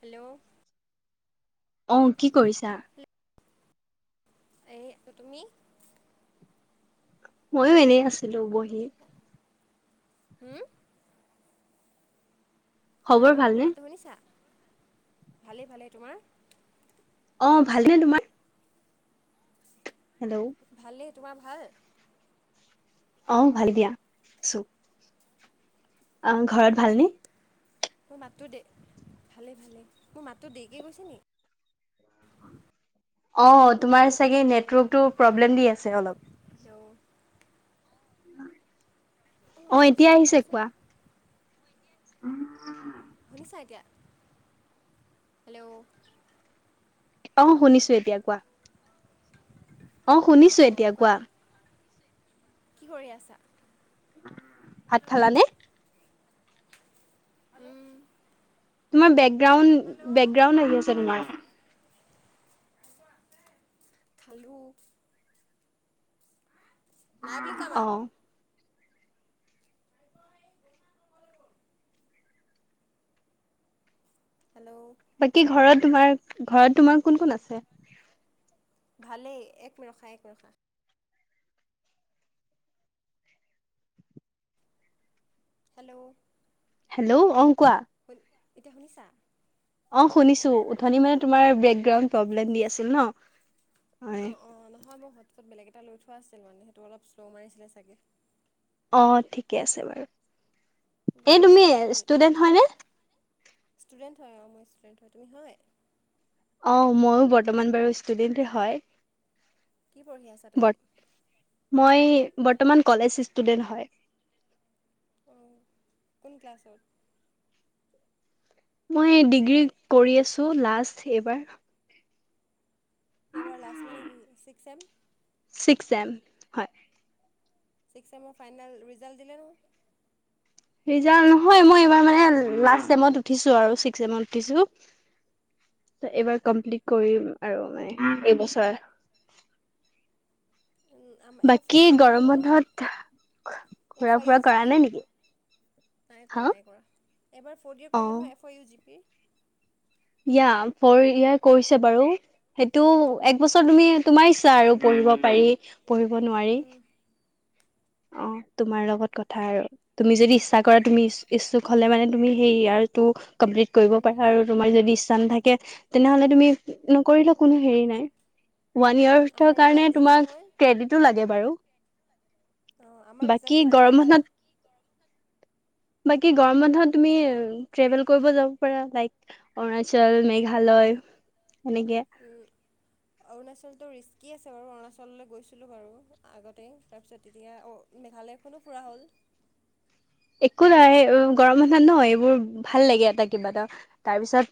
Hello অ কি কৰিছা? এ তুমি মইয়ো এনেই আছিলো বঢ়ি। হুম? খবৰ হেল্ল' ভালনে মাতটো শুনিছা? ভালেই ভালেই। তোমাৰ? অ ভালনে তোমাৰ? হেল্ল' ভালেই। তোমাৰ ভাল? অ, ভাল দিয়া আছো। অ, ঘৰত ভালনে? মোৰ মাতটো দে ভালেই ভালেই। মোৰ মাতটো দেৰিকে গৈছে নি? [unintelligible] অ, তোমাৰ চাগে নেটৱৰ্কটো প্ৰব্লেম দি আছে অলপ। হেল্ল' অ, অলপ এতিয়া হটস্পটটো আহিছে দিয়াচোন কোৱা। [unintelligible] শুনিছা এতিয়া? হেল্ল' অ, শুনিছো এতিয়া কোৱা। অ, অঁ শুনিছো অঁ এতিয়া কোৱা। কি কৰি আছা? ভাত খালানে? উম তোমাৰ বেকগ্ৰাউণ্ড বেকগ্ৰাউণ্ড আহি আছে তোমাৰ। খালো। নাই বুলি ক' অ মাক। হেল্ল' বাকী ঘৰত তোমাৰ, ঘৰত তোমাৰ কোন কোন আছে? ভালেই, এক মিনিট ৰখা, এক মিনিট ৰখা। হেল্ল', হেল্ল' অ, কোৱা। শুন এতিয়া শুনিছা? অ, শুনিছোঁ উঠনি মানে তোমাৰ বেকগ্ৰাউণ্ড প্ৰব্লেম দি আছিল ন'। হয়, অঁ অঁ নহয় মই [unintelligible] বেলেগ এটা লৈ থোৱা আছিল মানে সেইটো অলপ শ্ল' মাৰিছিলে চাগে। অ, ঠিকে আছে বাৰু। এই ভাত তুমি খালা ষ্টুডেন্ট হয়নে? ষ্টুডেণ্ট হয় অ, মই ষ্টুডেণ্ট হয়, তুমি হয়? অ, ময়ো বৰ্তমান বাৰু ষ্টুডেণ্টে হয়। কি পঢ়ি আছা তুমি? বৰ্ত- মই বৰ্তমান কলেজ ষ্টুডেন্ট হয়। অ, কোন ক্লাছৰ? মই ডিগ্ৰী কৰি আছো লাষ্ট এইবাৰ। এইবাৰ লাষ্ট মানে কি চিক্স চেম? ছিক্স চেম, হয়। চিক্স চেমৰ ফাইনেল ৰিজাল্ট দিলে নহয়। ৰিজাল্ট নহয়, মই এইবাৰ মানে লাষ্ট চমত উঠিছোঁ আৰু ছিক্সমত উঠিছোঁ। এইবাৰ কমপ্লিট কৰিম আৰু মানে এইবছৰ। এইবাৰ বাকী ফ'ৰ্থ ইয়েৰ কৰিলে গৰম নহয় বন্ধত এফ ঘুৰা আই ইউ ফুৰা জি কৰা পি নাই নেকি? নাই কৰা হা নাই কৰা, এবাৰ ফৰ্ ইয়াৰ কৰিলে নহয় এফ অ ইউ জি পিৰ। ইয়া, ফৌৰ ইয়াৰ কৰিছে বাৰু। সেইটো এক বছৰ তুমি তোমাৰ ইচ্ছা আৰু, পঢ়িব পাৰি পঢ়িব নোৱাৰি। অ [unintelligible] তোমাৰ লগত কথা আৰু, তুমি যদি ইচ্ছা কৰা তুমি ই-ইচ্ছুক হলে মানে তুমি সেই ইয়াৰটো কমপ্লিট কৰিব পাৰা আৰু। তোমাৰ যদি ইচ্ছা নাথাকে তেনেহলে তুমি নকৰিলেও কোনো হেৰি নাই। ওৱান আমাৰ ইয়েৰ কাৰণে ৰিজাল্ট দিলে তোমাক নহয় ক্ৰেডটো লাগে বাৰু। অ, আমাৰ বাকী ৰিজাল্ট দিলে নহয় কালি। ব গৰম বন্ধত তুমি ট্ৰেভেল কৰিব যাব পাৰা লাইক অৰুণাচল, মেঘা লয়। উম, অৰুনাচল ৰিস্কি আছে বাৰু অৰুণাচললৈ গৈছিলোঁ বাৰু আগতেই তাৰপিছত তেতিয়া মেঘালয়খনো ফুৰা হল। একো নহয় গৰম মাত ন এইবোৰ ভাল লাগে এটা কিবা এটা তাৰ পিছত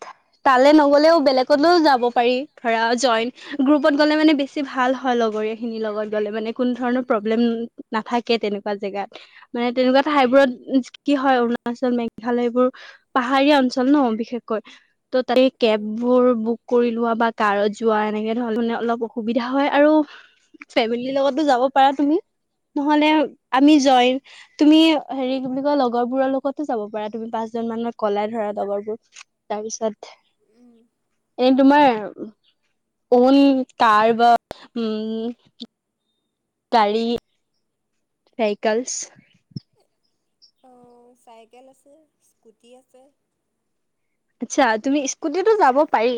তালে নগ'লেও তালৈ বেলেগলৈও যাব পাৰি ধৰা জইন গ্ৰপত গলে মানে বেছি ভাল হয় লগৰ খিনি লগত গলে, মানে কোনো ধৰণৰ প্ৰব্লেম উম নাথা কে তেনেকুৱা জেগাত, মানে তেনেকুৱা ঠাইবোৰত কি হয় অৰুণাচল মেঘালয় এইবোৰ পাহাৰীয়া অঞ্চল ন বিশেষকৈ, ত' উম কেববোৰ বুক কৰি লোৱা বা কাৰত যোৱা এনেকে ধৰণ মানে অলপ অসুবিধা হয় আৰু ফেমিলিৰ লগতো যাব পাৰা তুমি। নহলে আমি জয়ন অঁ তুমি হেৰি কি বুলি কয় লগৰ বোৰৰ লগতো যাব পাৰা তুমি পাঁচজন মানক ক'লাই ধৰা লগৰবোৰ, তাৰ পিছত উম এই তোমাৰ ফ'ন কাৰ বা উম, গাড়ী চাইকেলছ। অঁ চাইকেল আছে স্কুটি আছে। আচ্ছা তুমি স্কুটিটো যাব পাৰি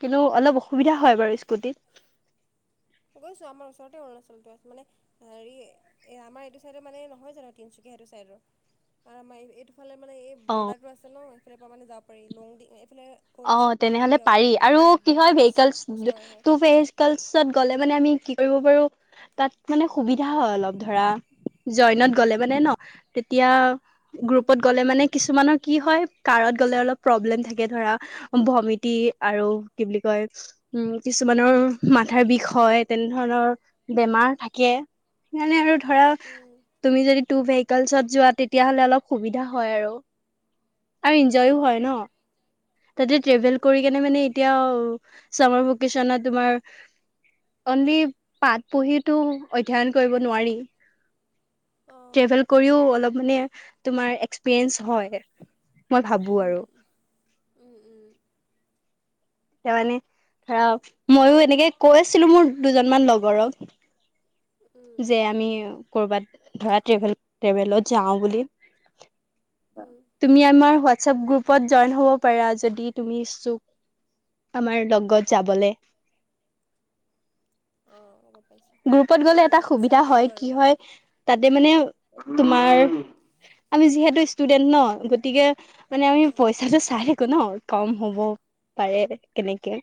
কিন্তু অলপ অসুবিধা হয় বাৰু স্কুটিত। [inaudible] গৈছো আমাৰ ওচৰতে অৰুণাচলতো আছ মানে হেৰি এ আমাৰ এইটো চাইডৰ মানে নহয় জানো তিনচুকীয়া? সেইটো চাইডৰ, আ আমাৰ এইটো ইফালে মানে এই অ বৰ্ডাৰটো আছে ন সিফালৰ পৰা মানে যাব পাৰি লং [unintelligible] অ তেনেহ'লে পাৰি আৰু কি একদম হয় ভেহিকেলছ ওচৰৰ হয় টু ভেহিকেলছত গ'লে মানে আমি কি কৰিব পাৰো তাত মানে সুবিধা হয় অলপ ধৰা। জইনত গ'লে মানে ন তেতিয়া উম, গ্ৰুপত গ'লে মানে কিছুমানৰ কি হয় কাৰত গ'লে অলপ প্ৰব্লেম থাকে ধৰা ভমিতিং আৰু কি বুলি কয় উম কিছুমানৰ মাথাৰ বিষ হয় তেনে ধৰণৰ বেমাৰ থাকে সেইকাৰনে আৰু ধৰা উম, তুমি যদি টু ভেহিকেলছত যোৱা তেতিয়াহ'লে অলপ সুবিধা হয় আৰু। আৰু এন্জয়ও হয় অ', ন। তাতে ট্ৰেভেল উম, কৰি কেনে মানে এতিয়াও চামাৰ ভেকেচনছ তোমাৰ অনলি পাত পহিটো অধ্যয়ন কৰিব নোৱাৰি, অ', ট্ৰেভেল কৰিও অলপ মানে তোমাৰ এক্সপিৰিয়েঞ্চ হয়। মই ভাবো আৰু। উম, উম, উম, তাৰ মানে ধৰা মইও এনেকে কৈ আছিলো মোৰ দুজনমান লগৰক উম, যে আমি কৰ'বাত ধৰা ট্ৰেভেল ট্ৰেভেলত যাও বুলি, উম, তুমি আমাৰ হোৱা হোৱাটসেপ গ্ৰুপত জইন হ'ব পাৰা যদি তুমি ইচ্ছুক আমাৰ লগত যাবলে। অ', গম পাইছোঁ গ্ৰুপত গ'লে এটা যদি ইচ্ছা সুবিধা হয় কৰোঁ কি আৰু হয় তাতে মানে তোমাৰ আমি যিহেতু ষ্টুডেন্ট ন গতিকে মানে আমি অ', পইচাটো চাই থাকো ন কম হ'ব পাৰে কেনেকে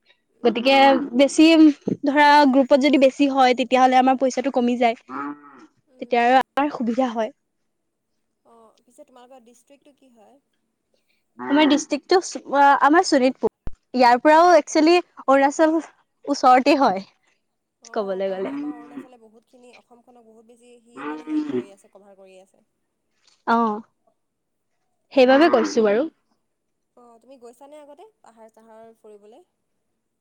উম, গতিকে বেছি ধৰা গ্ৰুপত যদি বেছি হয় তে তেতিয়াহ'লে আমাৰ পইচাটো কমি যায় উম, তেতিয়া আৰু আমাৰ সুবিধা হয়। অঁ পিছে তোমালোকৰ ডিষ্ট্ৰিক্টটো কি হয়? আমাৰ ডিষ্ট্ৰিক্টটো স আমাৰ শোণিতপুৰ। ইয়াৰ পৰাও একচুৱেলি অৰুণাচল ওচৰতে হয়। অ ক'বলৈ কাৰণ গ'লে আমাৰ অৰুণাচলে বহুতখিনি অসমখনক বহুত বেছি সিয়ে মানে হেৰি কৰি আছে কভাৰ কৰিয় আছে। অ সেইবাবে কৈছো বাৰু [unintelligible] অ তুমি গৈছানে আগতে পাহাৰ চাহাৰ ফুৰিবলৈ?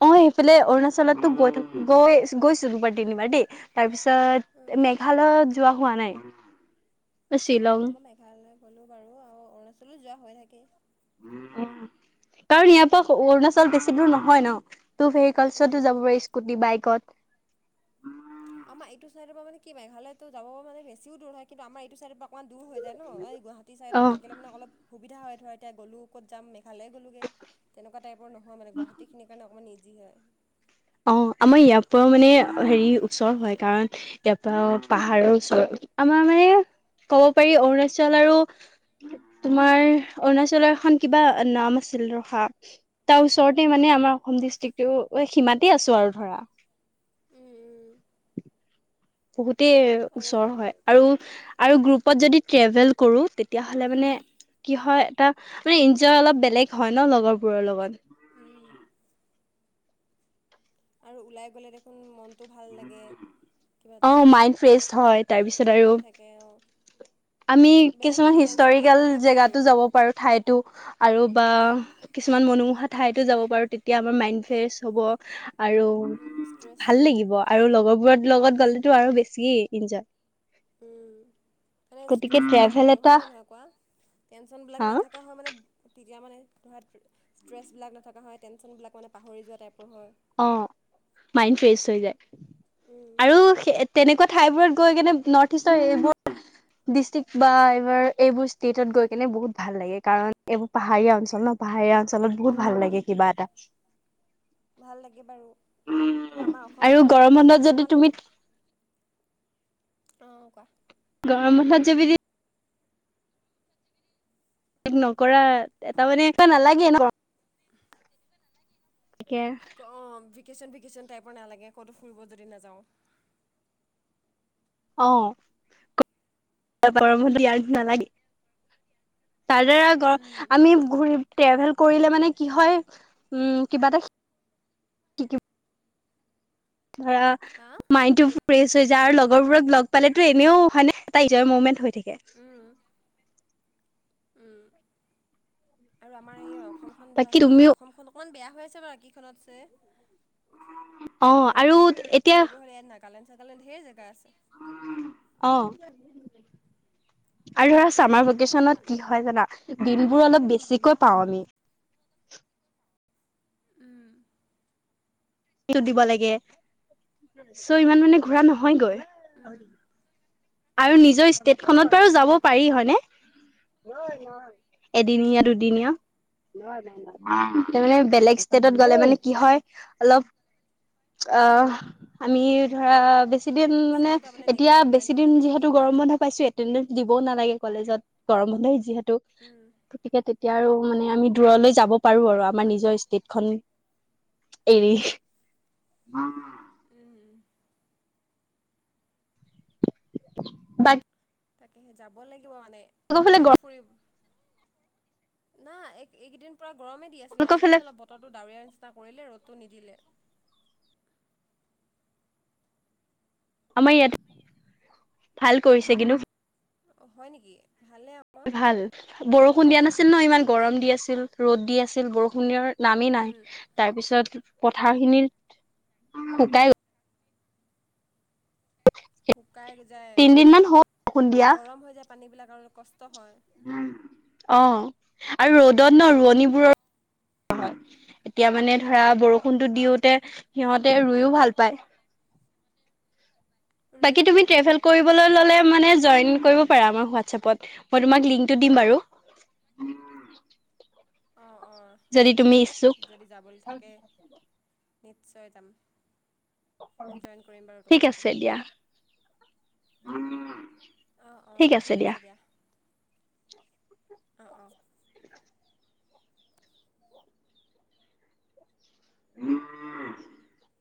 মই সেইফালে অৰুণাচলতটো গৈ থাকো গৈ গৈছো দুবাৰ তিনিবাৰ দেই তাৰপিছত মেঘালয়ত যোৱা হোৱা নাই বা শ্বিলং। হ'লো বাৰু আৰু অৰুণাচলত যোৱা হৈ থাকে। কাৰণ ইয়াৰ পৰা অৰুণাচল বেছি দূৰ নহয় ন। টু উম ভেহিকেলছতো উম। যাব পাৰি স্কুটি বাইকত। আমাৰ এইটো চাইডৰ পৰা মানে কি মেঘালয়টো যাব মানে বেছিও দূৰ হয় কিন্তু আমাৰ এইটো চাইড পৰা অকণমান দূৰ হৈ যায় ন এই গুৱাহাটী চাইডত অ', থাকিলে মানে অলপ সুবিধা হয় ধৰ এতিয়া গ'লো ক'ত যাম ভালেই গলোঁগে, তেনেকুৱা টাইপৰ নহয় মানে গুৱাহাটীখিনিৰ কাৰণে অকণমান ইজি হয়। অ আমাৰ ইয়াৰ পৰাও মানে হেৰি ওচৰ হয় কাৰণ ইয়াৰ পৰাও পাহাৰৰ ওচৰ আমাৰ মানে ক'ব পাৰি অৰুণাচল আৰু তোমাৰ অৰুণাচলৰ এখন কিবা নাম আছিল ৰখা তাৰ ওচৰতে মানে আমাৰ অসম ডিষ্ট্ৰিক্টো সীমাতে আছো আৰু ধৰা। উম উম বহুতেই আৰু ওচৰ হয় আৰু আৰু গ্ৰুপত যদি ট্ৰেভেল কৰোঁ তেতিয়াহ'লে মানে কি হয় এটা মানে এন্জয় অলপ বেলেগ হয় ন লগৰবোৰৰ লগত। উম আৰু ওলাই গ'লে দেখোন মনটো ভাল লাগে কিবা অ এটা। মাইণ্ড ফ্ৰেছ হয় তাৰপিছত আৰু হৈ থাকে অঁ আমি বেলেগ কিছুমান টেনশ্যনবিলাক হিষ্টৰিকেল নাথাকে জেগা আৰু যাব পাৰো ঠাইতো আৰু বা উম, কিছুমান মন মোহা ঠাইতো যাব পাৰো তেতিয়া আমাৰ মাইড ফ্ৰেছ হ'ব। আৰু উম, ষ্ট্ৰেছ ভাল ফ্ৰী লাগিব আৰু লগৰবোৰৰ লগত গ'লেতো আৰু বেছি এনজয় উম। মানে গতিকে ষ্ট্ৰেছ নাথাকে ট্ৰেভেল আৰু এটা হয় ন নহয় কোৱা টেনচনবিলাক হা নাথকা হয় মানে তেতিয়া মানে ধৰা ষ্ট্ৰেছবিলাক নথকা হয় টেনচননবিলাক মানে পাহৰি যোৱা টাইপৰ হয়। অ', মাইণ্ড ফ্ৰেছ হৈ উম, যায় আৰু তেনেকুৱা ঠাইবোৰত গৈ কেনে নৰ্থ ইষ্টৰ এইবোৰ ডিষ্ট্ৰিক্ট বা এইবাৰ এইবোৰ ষ্টেটত গৈ কেনে বহুত ভাল লাগে কাৰণ এইবোৰ পাহাৰীয়া অঞ্চল ন পাহাৰীয়া চলত বহুত ভাল লাগে উম, কিবা এটা কি আমাৰ আৰু অসমখন মানে গৰম বন্ধত বাকীখিনিতকে যদি অকমান তুমি অ', কোৱা। গৰম বন্ধত যাবি নকৰা এটা মানে একা নালাগে ন তাকে ভেকেশ্যন ভেকেশ্যন টাইপৰ নালাগে ক'তো ফুৰিব যদি নাযাওঁ। অ',। গৰম ইয়াৰ নালাগে। তাৰ দ্বাৰা উম, আমি ঘূৰি ট্ৰেভেল কৰিলে মানে কি হয় উ কিবা এটা শি ধৰা হা মাইণ্ড টো ফ্ৰেছ হৈ যায় আৰু উম, লগৰবোৰক লগ পালেতো এনেও হয়নে এটা ইজয়ৰ মুভমেন্ট হৈ থাকে। উম। উম। আৰু আমাৰ এই অসমখন বাকী ধৰাচোন আমাৰ তুমিও অসমখন অকমান বেয়া হৈ আছে বাৰু বাকীখনতছে। অ আমাৰ আৰু মানে কিন্তু এতিয়া ফুৰিব হলে ইয়াত নাগালেণ্ড, চাগালেণ্ড ঢেৰ জেগা আছে। অহ। আৰু ধৰা চমাৰ উম, কোৱা ভেকেশচনত কি হয় জানা বিলবোৰ অলপ বেছিকৈ পাওঁ আমি। উম। টো দিব লাগে চ' ইমান মানে ঘুৰা নহয়গৈ। আৰু নিজৰ ষ্টেট খনত বাৰু যাব পাৰি হয়নে। এদিনীয়া, দুদিনীয়া। [inaudible] তাৰ মানে বেলেগ ষ্টেটত গ'লে মানে কি হয় অলপ অ', আমি ধৰা বেছি দিন মানে চিনি পাবলৈ এতিয়া দিগদাৰ হয় বেছি ন দিন যিহেতু গৰম বন্ধ পাইছো এটেডেঞ্চ দিব নালাগে কলেজত গৰম বন্ধে যিহেতু। উম, গতিকে তেতিয়া আৰু মানে আমি উম, দূৰলৈ যাব পাৰো আৰু আমাৰ নিজৰ ষ্টেট খন এৰি উম, উ। বা তাকে সে যাব লাগিব মানে ফালে এতিয়াটো ফুৰিব না, এইকেইদিন পূৰা গৰমে দি আছিলে গৰমলোকৰ আজি ফালে সি অলপ বতৰো ডাৱৰীয়া নিচিনা কৰিলে ৰ'দটো নিদিলে। আমাৰ ইয়াত ভাল কৰিছে কিন্তু। অ', হয় নেকি। ভালেই আকৌ ভাল বৰষুণ দিয়া ভালেই আকৌ নাছিল ন ইমান গৰম দি আছিল, ৰ'দ দি আছিল, বৰষুণ দিয়াৰ নামি নাই উম, তাৰ পিছত পথাৰ খিনিত শুকাই শুকাই যায়। তিনদিন মান অ', হ'ল বৰষুণ দিয়া গৰম হৈ যায় পানী বিলাক আৰু কষ্ট হয়। অ', আৰু ৰ'দত ন ৰোৱনিবোৰৰ [inaudible] এতিয়া মানে ধৰা বৰষুণতটো দিওতে সিহঁতে ৰুইও ভাল পায়। ৰুই বাকী ভাল তুমি পায় ট্ৰেভেল অঁ কৰিবলৈ ল'লে মানে জৈন কৰিব পৰা আমাৰ হোৱাতচাপত, মই তোমাক লিংকটো দিম বাৰু। [inaudible] অ', অ', যদি তুমি দিয়া ইচ্ছুক যদি যাবলৈ থাকে, নিশ্চয় যাম। [unintelligible] জইন কৰিম বাৰু ঠিক তোমালোকক আছে দিয়া। অ', অ', ঠিক আছে দিয়া। অ', অ'। [inaudible]